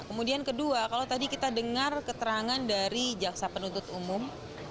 kemudian kedua kalau tadi kita dengar keterangan dari jaksa penuntut umum